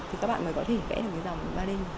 thì các bạn mới có thể vẽ được cái dòng ba d